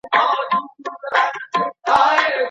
مرکزي کتابتون بې له ځنډه نه پیلیږي.